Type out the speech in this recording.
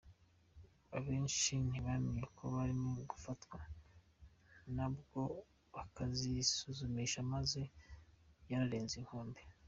Abenshi ntibamenya ko barimo gufatwa nabwo, bakazisuzumisha amazi yararenze inkombe.